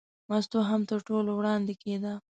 مستو هم تر ټولو وړاندې کېده.